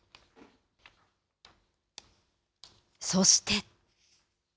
そして。